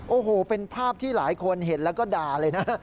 โอ้โหเป็นภาพที่หลายคนเห็นแล้วก็ด่าเลยนะ